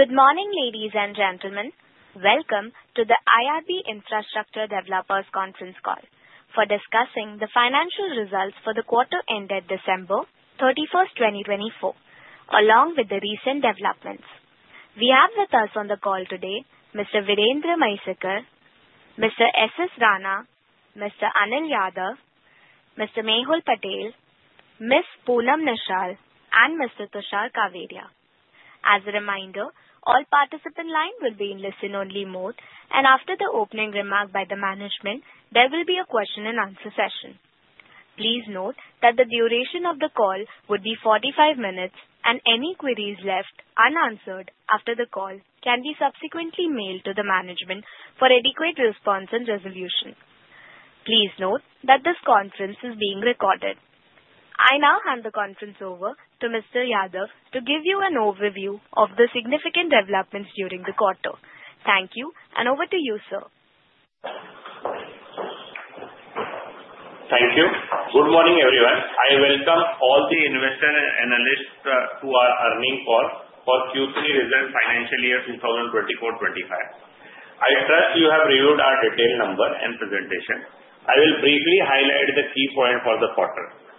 Good morning, ladies and gentlemen. Welcome to the IRB Infrastructure Developers conference call for discussing the financial results for the quarter ended December 31st, 2024, along with the recent developments. We have with us on the call today Mr. Virendra Mhaiskar, Mr. S. S. Rana, Mr. Anil Yadav, Mr. Mehul Patel, Ms. Poonam Nishal, and Mr. Tushar Kawedia. As a reminder, all participants' lines will be in listen-only mode, and after the opening remark by the management, there will be a question-and-answer session. Please note that the duration of the call would be 45 minutes, and any queries left unanswered after the call can be subsequently mailed to the management for adequate response and resolution. Please note that this conference is being recorded. I now hand the conference over to Mr. Yadav to give you an overview of the significant developments during the quarter. Thank you, and over to you, sir. Thank you. Good morning, everyone. I welcome all the investors and analysts who are on the earnings call for Q3 results financial year 2024-2025. I trust you have reviewed our detailed numbers and presentation. I will briefly highlight the key points for the quarter.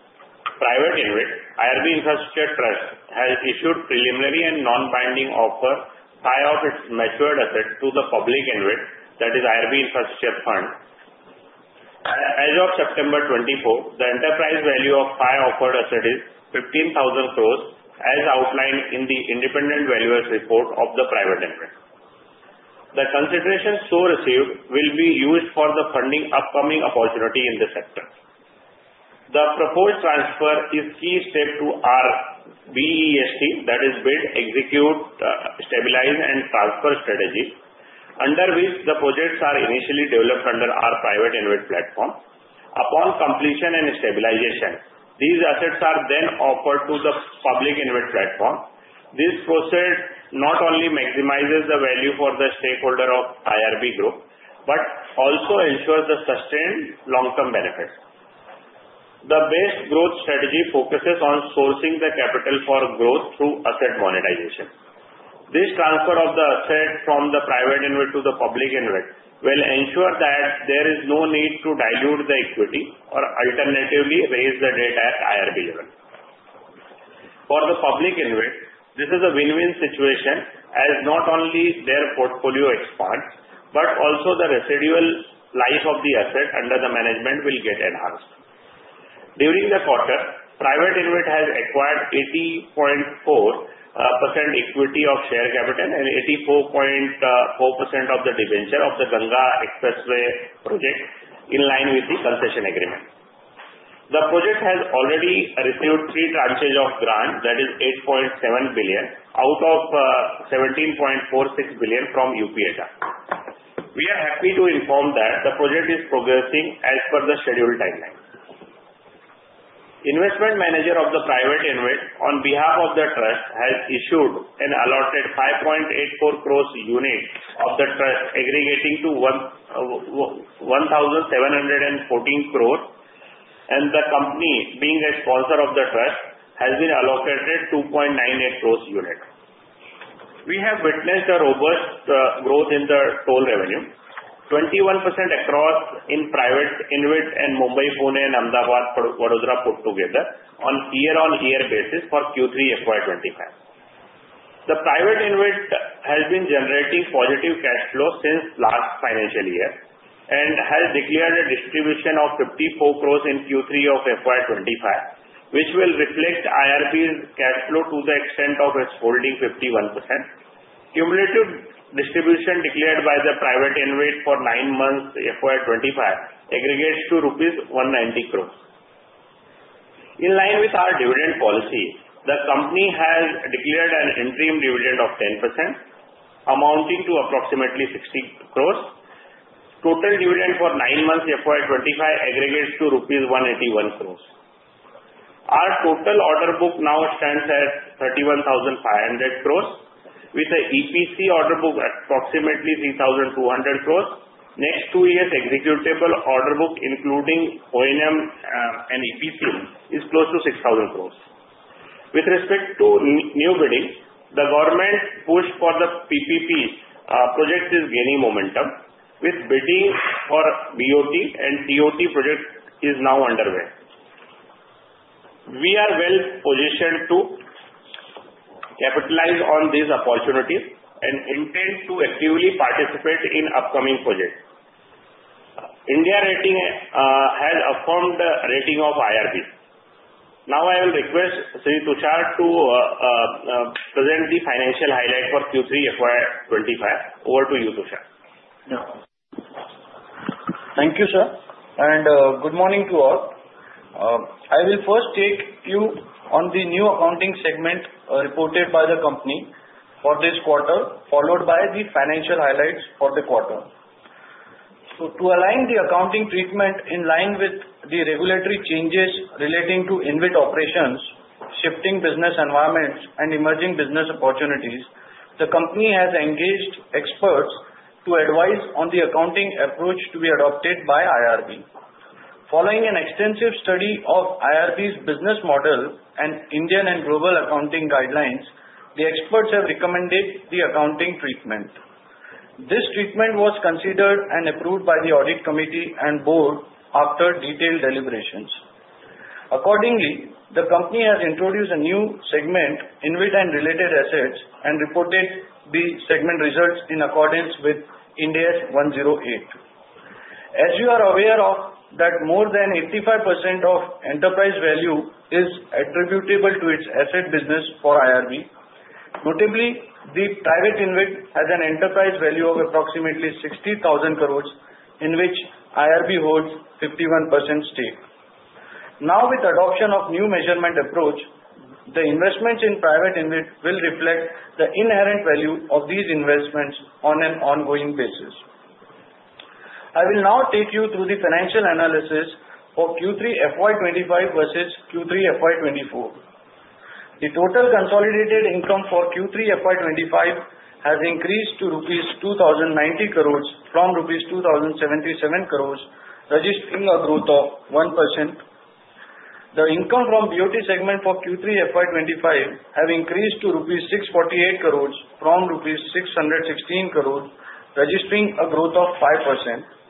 Private InvIT, IRB Infrastructure Trust, has issued a preliminary and non-binding offer of five of its matured assets to the Public InvIT, that is, IRB InvIT Fund. As of September 24, the enterprise value of five offered assets is 15,000 crores, as outlined in the independent valuer's report of the Private InvIT. The considerations so received will be used for the funding upcoming opportunity in the sector. The proposed transfer is a key step to our BEST, that is, Bid, Execute, Stabilize, and Transfer strategy, under which the projects are initially developed under our Private InvIT platform. Upon completion and stabilization, these assets are then offered to the Public InvIT platform. This process not only maximizes the value for the stakeholder of IRB Group but also ensures the sustained long-term benefits. The BEST growth strategy focuses on sourcing the capital for growth through asset monetization. This transfer of the asset from the Private InvIT to the Public InvIT will ensure that there is no need to dilute the equity or, alternatively, raise the debt at IRB level. For the Public InvIT, this is a win-win situation, as not only their portfolio expands but also the residual life of the asset under the management will get enhanced. During the quarter, Private InvIT has acquired 80.4% equity of share capital and 84.4% of debentures of the Ganga Expressway project in line with the concession agreement. The project has already received three tranches of grant, that is, 8.7 billion out of 17.46 billion from UPEIDA. We are happy to inform that the project is progressing as per the scheduled timeline. Investment manager of the Private InvIT, on behalf of the trust, has issued and allotted 5.84 crores units of the trust, aggregating to 1,714 crores, and the company, being a sponsor of the trust, has been allocated 2.98 crores units. We have witnessed a robust growth in the toll revenue, 21% across in Private InvIT and Mumbai-Pune and Ahmedabad-Vadodara put together on year-on-year basis for Q3 FY 2025. The Private InvIT has been generating positive cash flow since last financial year and has declared a distribution of 54 crores in Q3 of FY 2025, which will reflect IRB's cash flow to the extent of its holding 51%. Cumulative distribution declared by the Private InvIT for nine months FY 2025 aggregates to 190 crores rupees. In line with our dividend policy, the company has declared an interim dividend of 10%, amounting to approximately 60 crores. Total dividend for nine months FY 2025 aggregates to rupees 181 crores. Our total order book now stands at 31,500 crores, with the EPC order book at approximately 3,200 crores. Next two years' executable order book, including O&M and EPC, is close to 6,000 crores. With respect to new bidding, the government push for the PPP project is gaining momentum, with bidding for BOT and TOT projects now underway. We are well positioned to capitalize on these opportunities and intend to actively participate in upcoming projects. India Ratings has affirmed the rating of IRB. Now, I will request Sri Tushar to present the financial highlight for Q3 FY 2025. Over to you, Tushar. Thank you, sir. Good morning to all. I will first take you on the new accounting segment reported by the company for this quarter, followed by the financial highlights for the quarter. To align the accounting treatment in line with the regulatory changes relating to InvIT operations, shifting business environments, and emerging business opportunities, the company has engaged experts to advise on the accounting approach to be adopted by IRB. Following an extensive study of IRB's business model and Indian and global accounting guidelines, the experts have recommended the accounting treatment. This treatment was considered and approved by the audit committee and board after detailed deliberations. Accordingly, the company has introduced a new segment, InvITs & Related Assets, and reported the segment results in accordance with Ind AS 108. As you are aware of, more than 85% of enterprise value is attributable to its asset business for IRB. Notably, the Private InvIT has an enterprise value of approximately 60,000 crores, in which IRB holds 51% stake. Now, with the adoption of a new measurement approach, the investments in Private InvIT will reflect the inherent value of these investments on an ongoing basis. I will now take you through the financial analysis of Q3 FY 2025 versus Q3 FY 2024. The total consolidated income for Q3 FY 2025 has increased to rupees 2,090 crores from rupees 2,077 crores, registering a growth of 1%. The income from BOT segment for Q3 FY 2025 has increased to 648 crores rupees from 616 crores rupees, registering a growth of 5%.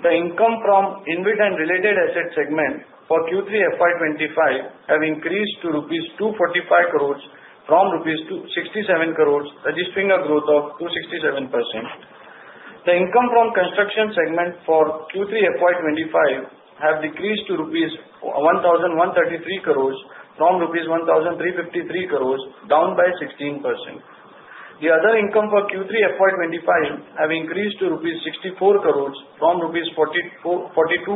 The income from InvIT & Related Assets segment for Q3 FY 2025 has increased to rupees 245 crores from rupees 67 crores, registering a growth of 267%. The income from Construction segment for Q3 FY 2025 has decreased to rupees 1,133 crores from rupees 1,353 crores, down by 16%. The other income for Q3 FY 2025 has increased to rupees 64 crores from rupees 42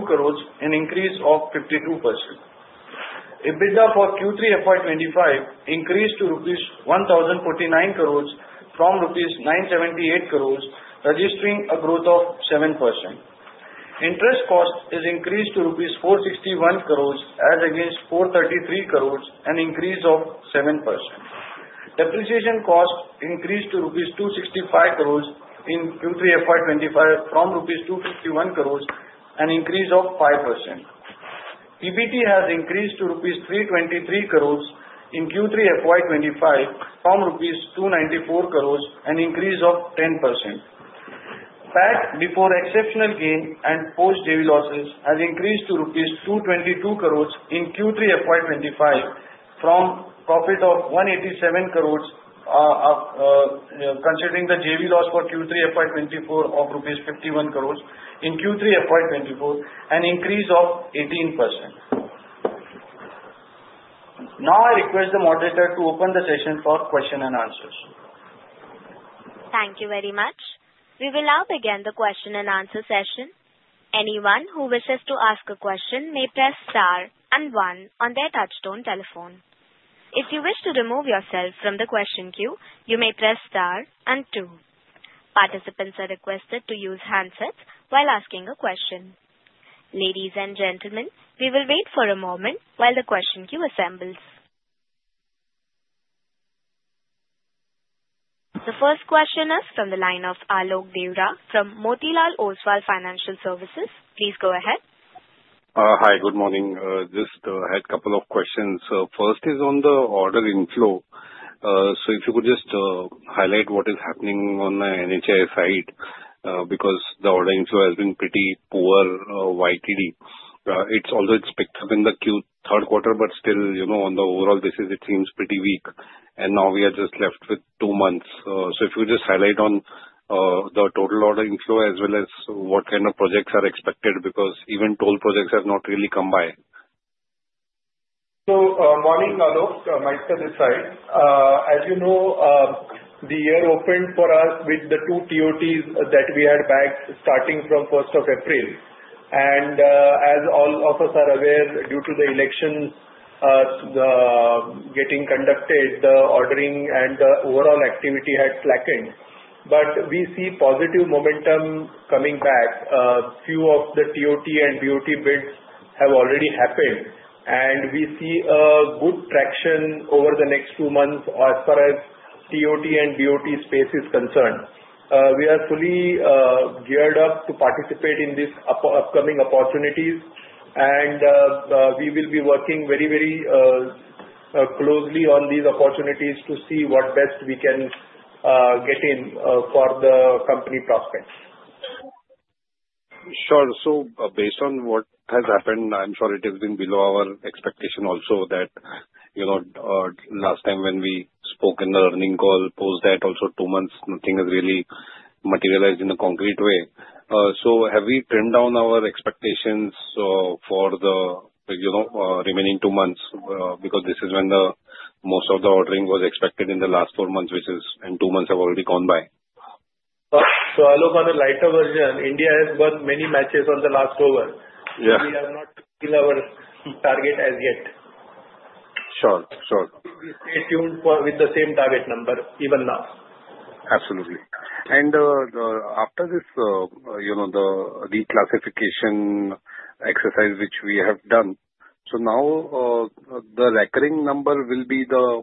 crores, an increase of 52%. EBITDA for Q3 FY 2025 has increased to 1,049 crores rupees from 978 crores rupees, registering a growth of 7%. Interest cost has increased to 461 crores rupees, as against 433 crores, an increase of 7%. Depreciation cost has increased to 265 crores rupees in Q3 FY 2025 from 251 crores rupees, an increase of 5%. EBITDA has increased to rupees 323 crores in Q3 FY 2025 from rupees 294 crores, an increase of 10%. PAT, before exceptional gain and post-JV losses, has increased to rupees 222 crores in Q3 FY 2025 from a profit of 187 crores, considering the JV loss for Q3 FY 2024 of rupees 51 crores in Q3 FY 2024, an increase of 18%. Now, I request the moderator to open the session for questions and answers. Thank you very much. We will now begin the question and answer session. Anyone who wishes to ask a question may press star and one on their touch-tone telephone. If you wish to remove yourself from the question queue, you may press star and two. Participants are requested to use handsets while asking a question. Ladies and gentlemen, we will wait for a moment while the question queue assembles. The first questioner is from the line of Alok Deora from Motilal Oswal Financial Services. Please go ahead. Hi, good morning. Just had a couple of questions. First is on the order inflow. So, if you could just highlight what is happening on the NHAI side, because the order inflow has been pretty poor YTD. It's also expected in the third quarter, but still, on the overall basis, it seems pretty weak. And now we are just left with two months. So, if you could just highlight on the total order inflow as well as what kind of projects are expected, because even toll projects have not really come by. Morning, Alok. Mhaiskar this side. As you know, the year opened for us with the two TOTs that we had, bid starting from 1st of April. And as all of us are aware, due to the elections getting conducted, the ordering and the overall activity had slackened. But we see positive momentum coming back. A few of the TOT and BOT bids have already happened, and we see a good traction over the next two months as far as TOT and BOT space is concerned. We are fully geared up to participate in these upcoming opportunities, and we will be working very, very closely on these opportunities to see what best we can get in for the company prospects. Sure. So, based on what has happened, I'm sure it has been below our expectation also that last time when we spoke in the earnings call, post that also two months, nothing has really materialized in a concrete way. So, have we trimmed down our expectations for the remaining two months? Because this is when most of the ordering was expected in the last four months, and two months have already gone by. Alok, on a lighter version, India has won many matches on the last over. We have not seen our target as yet. Sure, sure. We stay tuned with the same target number even now. Absolutely. And after the reclassification exercise, which we have done, so now the recurring number will be the,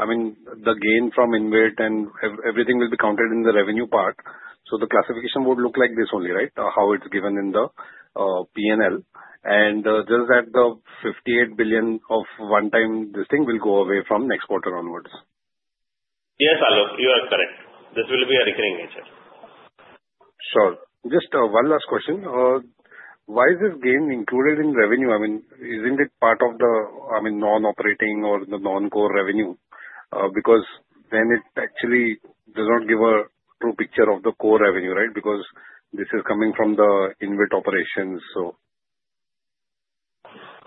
I mean, the gain from InvIT, and everything will be counted in the revenue part. So, the classification would look like this only, right? How it's given in the P&L. And just that the 58 billion of one-time listing will go away from next quarter onwards. Yes, Alok, you are correct. This will be a recurring nature. Sure. Just one last question. Why is this gain included in revenue? I mean, isn't it part of the non-operating or the non-core revenue? Because then it actually does not give a true picture of the core revenue, right? Because this is coming from the InvIT operations, so.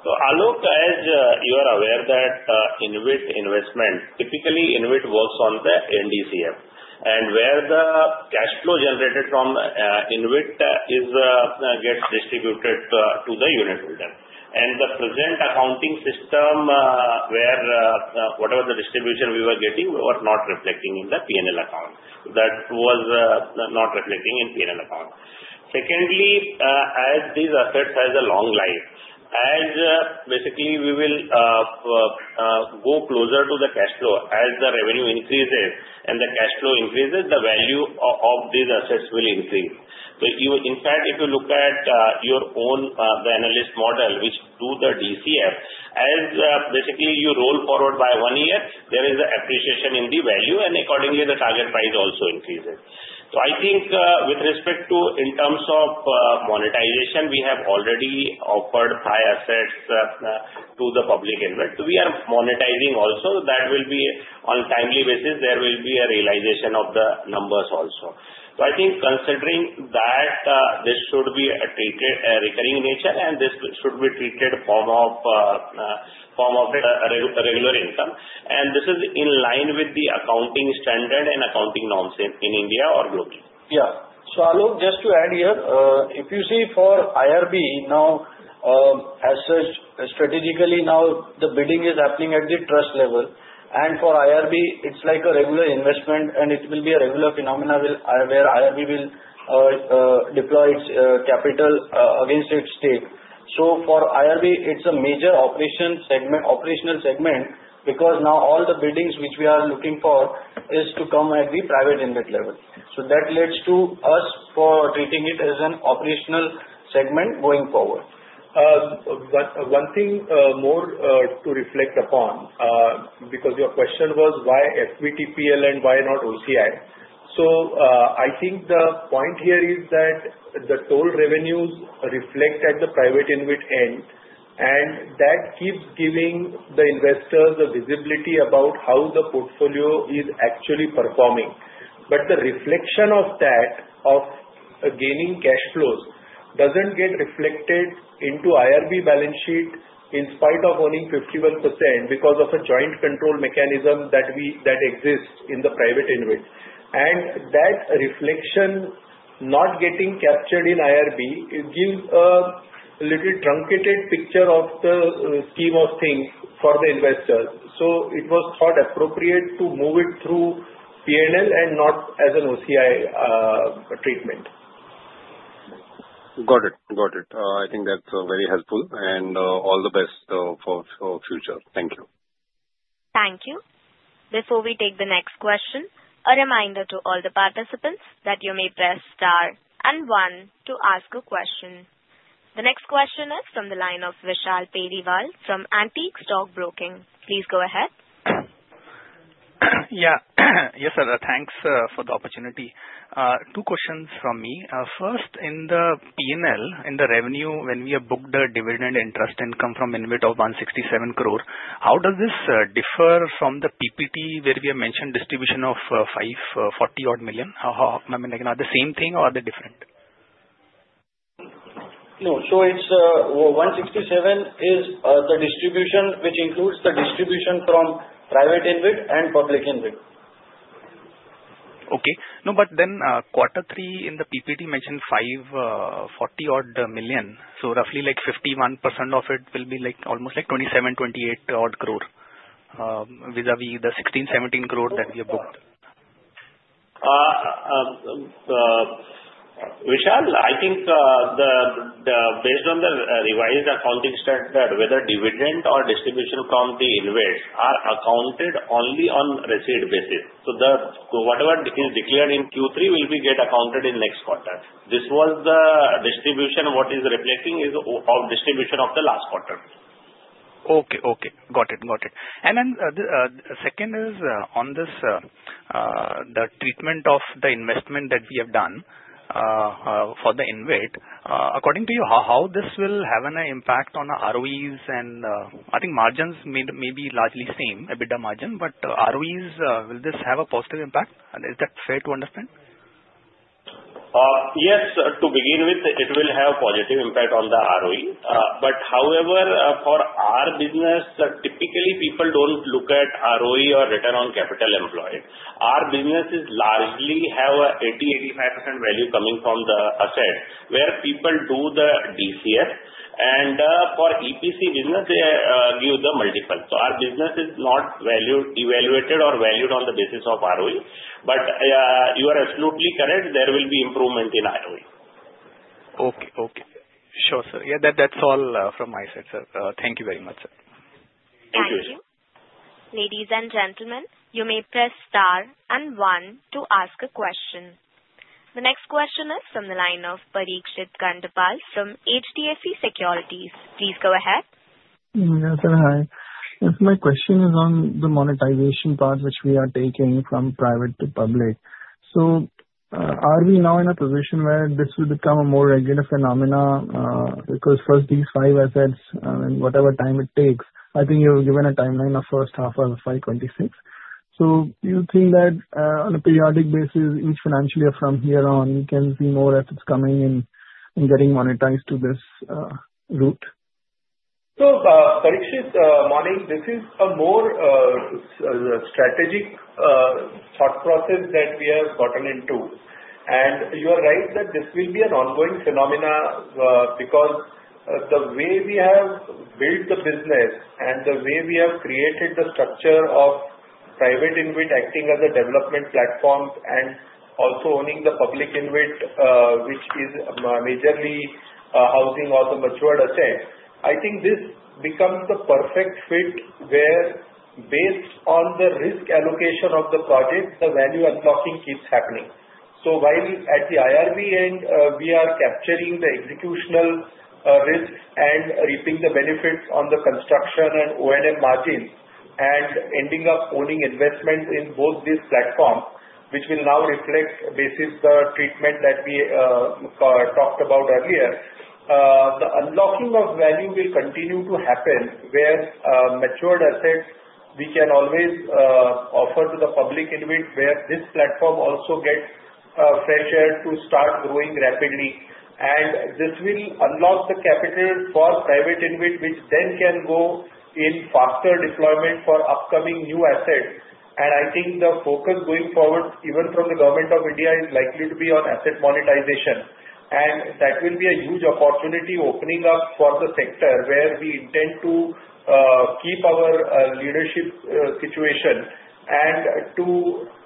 Alok, as you are aware that InvIT investment, typically InvIT works on the NDCF. And where the cash flow generated from InvIT gets distributed to the unit holder. And the present accounting system where whatever the distribution we were getting was not reflecting in the P&L account. Secondly, as these assets have a long life, as basically we will go closer to the cash flow, as the revenue increases and the cash flow increases, the value of these assets will increase. In fact, if you look at your own analyst model, which through the DCF, as basically you roll forward by one year, there is an appreciation in the value, and accordingly, the target price also increases. I think with respect to in terms of monetization, we have already offered these assets to the Public InvIT. We are monetizing also. That will be on a timely basis. There will be a realization of the numbers also, so I think considering that this should be a recurring nature, and this should be treated in the form of regular income. And this is in line with the accounting standard and accounting norms in India or globally. Yeah. So, Alok, just to add here, if you see for IRB now, as strategically now the bidding is happening at the trust level, and for IRB, it's like a regular investment, and it will be a regular phenomenon where IRB will deploy its capital against its stake. So, for IRB, it's a major operational segment, because now all the biddings which we are looking for is to come at the Private InvIT level. So, that leads to us treating it as an operational segment going forward. One thing more to reflect upon, because your question was why FVTPL and why not OCI. So, I think the point here is that the toll revenues reflect at the Private InvIT end, and that keeps giving the investors the visibility about how the portfolio is actually performing. But the reflection of that, of gaining cash flows, doesn't get reflected into IRB balance sheet in spite of owning 51% because of a joint control mechanism that exists in the Private InvIT. And that reflection not getting captured in IRB gives a little truncated picture of the scheme of things for the investors. So, it was thought appropriate to move it through P&L and not as an OCI treatment. Got it. Got it. I think that's very helpful, and all the best for the future. Thank you. Thank you. Before we take the next question, a reminder to all the participants that you may press star and one to ask a question. The next question is from the line of Vishal Periwal from Antique Stock Broking. Please go ahead. Yeah. Yes, sir. Thanks for the opportunity. Two questions from me. First, in the P&L, in the revenue, when we have booked a dividend interest income from InvIT of 167 crore, how does this differ from the PPT where we have mentioned distribution of 540 million? I mean, are they the same thing or are they different? No. So, 167 is the distribution which includes the distribution from Private InvIT and Public InvIT. Okay. No, but then Q3 in the PPT mentioned 540 million. So, roughly like 51% of it will be almost like 27 crore-28 crore vis-à-vis the 16 crore-17 crore that we have booked. Vishal, I think based on the revised accounting statement that whether dividend or distribution from the InvIT are accounted only on receipt basis. So, whatever is declared in Q3 will be accounted in next quarter. This was the distribution what is reflecting is of distribution of the last quarter. Okay, okay. Got it. Got it. And then the second is on the treatment of the investment that we have done for the InvIT. According to you, how this will have an impact on ROEs and I think margins may be largely same, EBITDA margin, but ROEs, will this have a positive impact? Is that fair to understand? Yes. To begin with, it will have a positive impact on the ROE. But however, for our business, typically people don't look at ROE or return on capital employed. Our businesses largely have an 80%-85% value coming from the asset where people do the DCF. And for EPC business, they give the multiple. So, our business is not evaluated or valued on the basis of ROE. But you are absolutely correct. There will be improvement in ROE. Okay, okay. Sure, sir. Yeah, that's all from my side, sir. Thank you very much, sir. Thank you, sir. Thank you. Ladies and gentlemen, you may press star and one to ask a question. The next question is from the line of Parikshit Kandpal from HDFC Securities. Please go ahead. Yes, sir. Hi. My question is on the monetization part which we are taking from private to public. So, are we now in a position where this will become a more regular phenomenon? Because first, these five assets and whatever time it takes, I think you have given a timeline of first half of 2026. So, do you think that on a periodic basis, each financial year from here on, we can see more assets coming in and getting monetized to this route? So, Parikshit, morning. This is a more strategic thought process that we have gotten into. And you are right that this will be an ongoing phenomenon because the way we have built the business and the way we have created the structure of Private InvIT acting as a development platform and also owning the Public InvIT, which is majorly housing all the matured assets, I think this becomes the perfect fit where based on the risk allocation of the project, the value unlocking keeps happening. So, while at the IRB end, we are capturing the executional risks and reaping the benefits on the construction and O&M margins and ending up owning investments in both these platforms, which will now reflect, basis the treatment that we talked about earlier. The unlocking of value will continue to happen where matured assets we can always offer to the Public InvIT where this platform also gets fresh air to start growing rapidly, and this will unlock the capital for Private InvIT, which then can go in faster deployment for upcoming new assets, and I think the focus going forward, even from the Government of India, is likely to be on asset monetization, and that will be a huge opportunity opening up for the sector where we intend to keep our leadership situation and to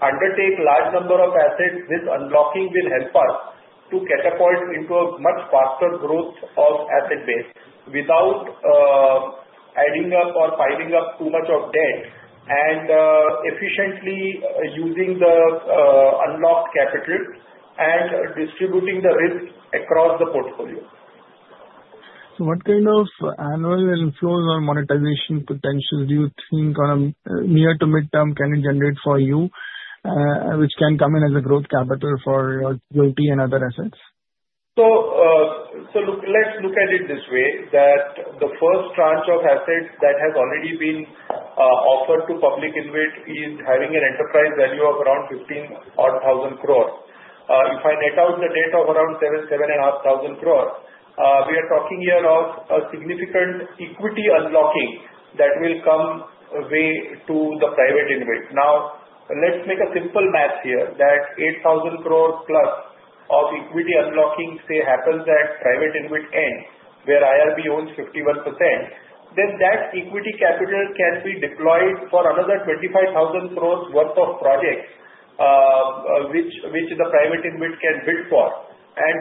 undertake a large number of assets. This unlocking will help us to catapult into a much faster growth of asset base without adding up or piling up too much of debt and efficiently using the unlocked capital and distributing the risk across the portfolio. So, what kind of annual inflows or monetization potential do you think near to midterm can it generate for you, which can come in as a growth capital for security and other assets? So, look, let's look at it this way that the first tranche of assets that has already been offered to Public InvIT is having an enterprise value of around 15,000 crore. If I net out the debt of around 7,000 crore-7,500 crore, we are talking here of a significant equity unlocking that will come away to the Private InvIT. Now, let's make a simple math here that 8,000+ crore of equity unlocking, say, happens at Private InvIT end where IRB owns 51%, then that equity capital can be deployed for another 25,000 crore worth of projects which the Private InvIT can bid for.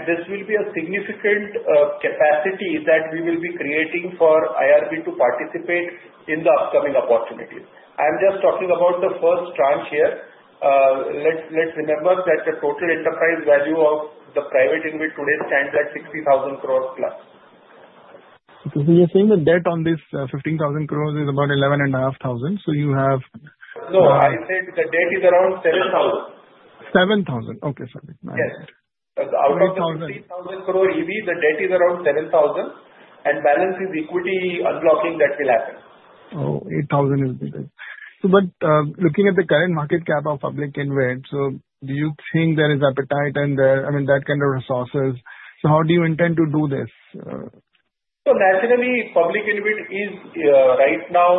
This will be a significant capacity that we will be creating for IRB to participate in the upcoming opportunities. I'm just talking about the first tranche here. Let's remember that the total enterprise value of the Private InvIT today stands at 60,000+ crore. Okay. So, you're saying the debt on this 15,000 crore is about 11,500. So, you have. No, I said the debt is around 7,000. 7,000. Okay. Sorry. Yes. The outcome is 15,000 crore EV. The debt is around 7,000. And balance is equity unlocking that will happen. Oh, 8,000 is the debt. So, but looking at the current market cap of Public InvIT, so do you think there is appetite and there, I mean, that kind of resources? So, how do you intend to do this? So, naturally, Public InvIT is right now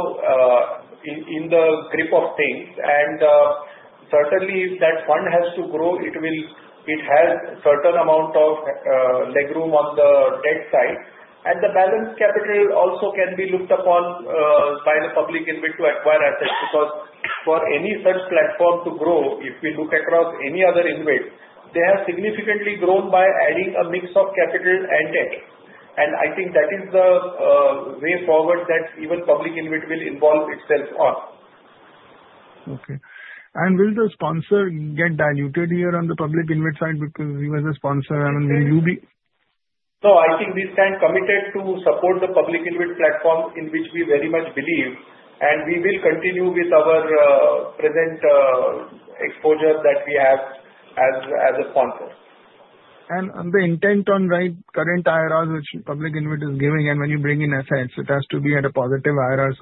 in the grip of things. And certainly, if that fund has to grow, it has a certain amount of legroom on the debt side. And the balance capital also can be looked upon by the Public InvIT to acquire assets because for any such platform to grow, if we look across any other InvIT, they have significantly grown by adding a mix of capital and debt. And I think that is the way forward that even Public InvIT will involve itself on. Okay. And will the sponsor get diluted here on the Public InvIT side because you are the sponsor? I mean, will you be? No, I think we stand committed to support the Public InvIT platform in which we very much believe, and we will continue with our present exposure that we have as a sponsor. The intent on current IRRs which Public InvIT is giving, and when you bring in assets, it has to be at a positive IRR.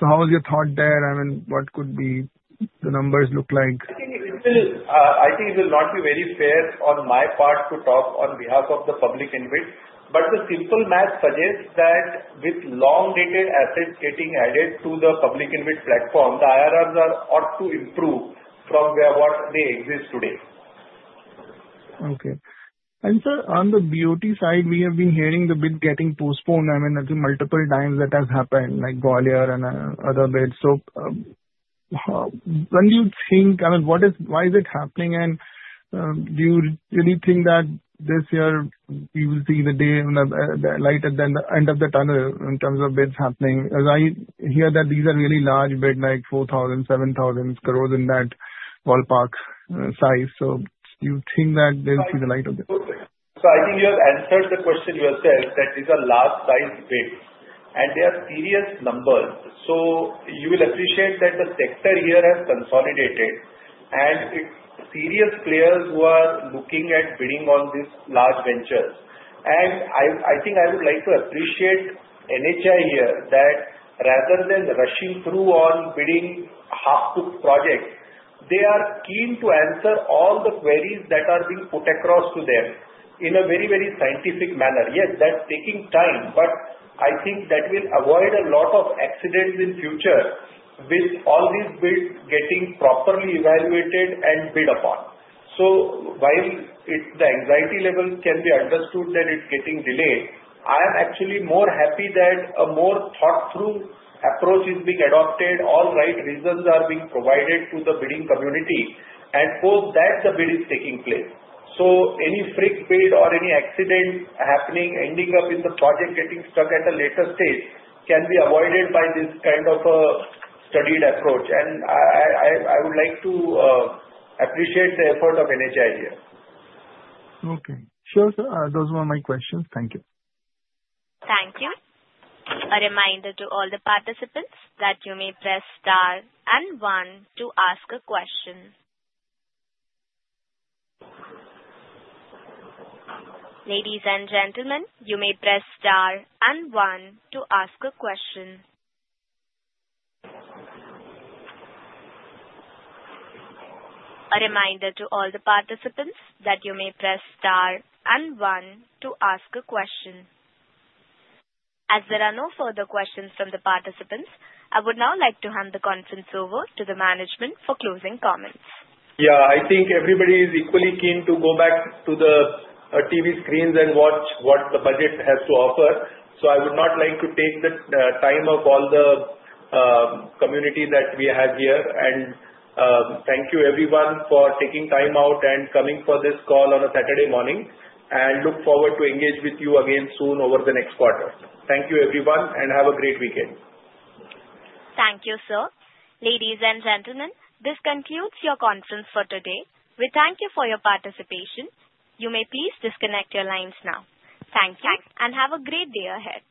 How is your thought there? I mean, what could the numbers look like? I think it will not be very fair on my part to talk on behalf of the Public InvIT. But the simple math suggests that, with long-dated assets getting added to the Public InvIT platform, the IRRs are ought to improve from where they exist today. Okay. And sir, on the BOT side, we have been hearing the bid getting postponed. I mean, I think multiple times that has happened, like Gwalior and other bids. So, when do you think, I mean, why is it happening? And do you really think that this year we will see the daylight at the end of the tunnel in terms of bids happening? Because I hear that these are really large bids, like 4,000 crore, 7,000 crore in that ballpark size. So, do you think that they will see the light of day? So, I think you have answered the question yourself that these are large-sized bids. And they are serious numbers. So, you will appreciate that the sector here has consolidated, and it's serious players who are looking at bidding on these large ventures. And I think I would like to appreciate NHAI here that rather than rushing through on bidding half-cooked projects, they are keen to answer all the queries that are being put across to them in a very, very scientific manner. Yes, that's taking time, but I think that will avoid a lot of accidents in the future with all these bids getting properly evaluated and bid upon. So, while the anxiety level can be understood that it's getting delayed, I am actually more happy that a more thought-through approach is being adopted. All right, reasons are being provided to the bidding community, and both that, the bid is taking place. So, any freak bid or any accident happening ending up in the project getting stuck at a later stage can be avoided by this kind of a studied approach. And I would like to appreciate the effort of NHAI here. Okay. Sure, sir. Those were my questions. Thank you. Thank you. A reminder to all the participants that you may pressstar and one to ask a question. Ladies and gentlemen, you may press star and one to ask a question. A reminder to all the participants that you may press star and one to ask a question. As there are no further questions from the participants, I would now like to hand the conference over to the management for closing comments. Yeah, I think everybody is equally keen to go back to the TV screens and watch what the budget has to offer. So, I would not like to take the time of all the community that we have here. And thank you, everyone, for taking time out and coming for this call on a Saturday morning. And look forward to engage with you again soon over the next quarter. Thank you, everyone, and have a great weekend. Thank you, sir. Ladies and gentlemen, this concludes your conference for today. We thank you for your participation. You may please disconnect your lines now. Thank you and have a great day ahead.